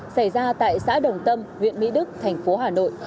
xảy ra tại xã đồng tâm huyện mỹ đức tp hà nội